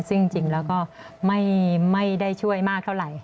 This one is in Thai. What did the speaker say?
ซึ่งจริงก็ไม่ได้ช่วยมากเท่าไร